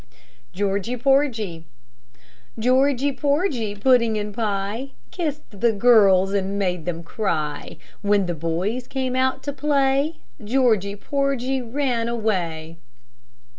GEORGY PORGY Georgy Porgy, pudding and pie, Kissed the girls and made them cry. When the boys came out to play, Georgy Porgy ran away.